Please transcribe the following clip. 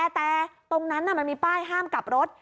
แต่ตรงนั้นมันมีป้ายห้ามกลับรถ